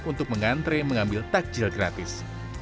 untuk mengantre mengambil takjil gratis